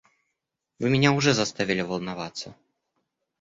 Вы меня уже заставили волноваться.